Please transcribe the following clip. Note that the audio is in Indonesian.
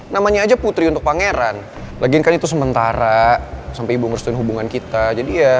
namanya aja putri untuk pangeran legenkan itu sementara sampai ibu ngerestuin hubungan kita jadi ya